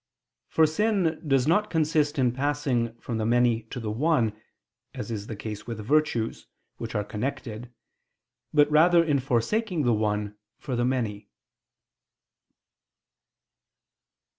For sin does not consist in passing from the many to the one, as is the case with virtues, which are connected, but rather in forsaking the one for the many.